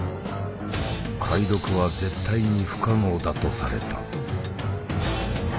解読は絶対に不可能だとされた。